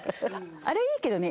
あれいいけどね。